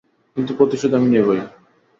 কিন্তু প্রতিশোধ আমি নেবই।